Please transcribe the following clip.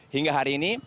hingga hari ini